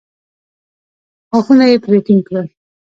غاښونه يې پرې ټينګ کړل.